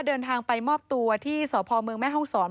เดินทางไปมอบตัวที่สมแม่ห้องสอน